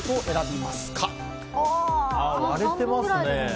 割れてますね。